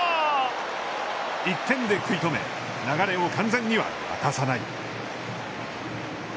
１点で食いとめ、流れを完全には渡さない。